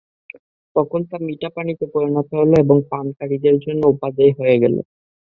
তখন তা মিঠা পানিতে পরিণত হল এবং পানকারীদের জন্যে উপাদেয় হয়ে গেল।